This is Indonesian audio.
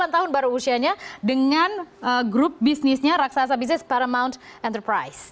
delapan tahun baru usianya dengan grup bisnisnya raksasa bisnis paramounth enterprise